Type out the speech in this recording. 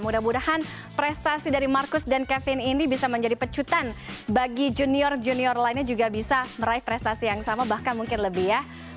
mudah mudahan prestasi dari marcus dan kevin ini bisa menjadi pecutan bagi junior junior lainnya juga bisa meraih prestasi yang sama bahkan mungkin lebih ya